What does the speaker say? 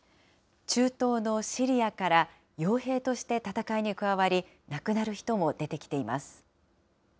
中東のシリアからよう兵として戦いに加わり、亡くなる人も出てきています。